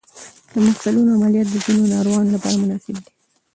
د مفصلونو عملیات د ځینو ناروغانو لپاره مناسب دي.